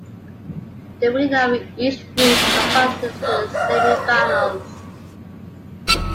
The winner of each group advances to the semi-finals.